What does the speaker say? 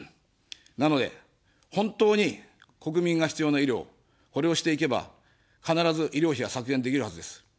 なので本当に国民が必要な医療、これをしていけば、必ず医療費は削減できるはずです。